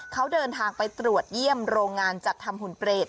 เขาเดินทางไปตรวจเยี่ยมโรงงานจัดทำหุ่นเปรต